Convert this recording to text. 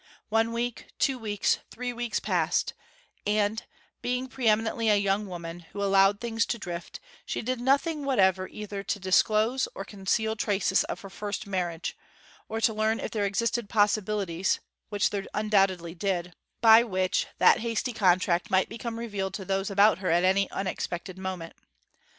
One week, two weeks, three weeks passed; and, being pre eminently a young woman who allowed things to drift, she did nothing whatever either to disclose or conceal traces of her first marriage; or to learn if there existed possibilities which there undoubtedly did by which that hasty contract might become revealed to those about her at any unexpected moment.